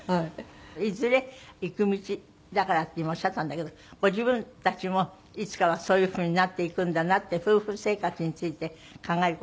いずれいく道だからって今おっしゃったんだけどご自分たちもいつかはそういうふうになっていくんだなって夫婦生活について考える事ありました？